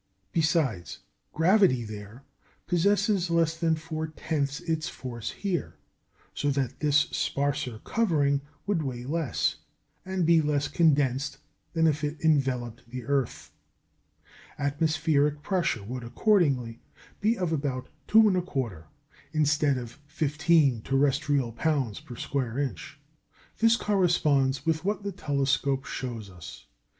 Besides, gravity there possesses less than four tenths its force here, so that this sparser covering would weigh less, and be less condensed, than if it enveloped the earth. Atmospheric pressure would accordingly be of about two and a quarter, instead of fifteen terrestrial pounds per square inch. This corresponds with what the telescope shows us.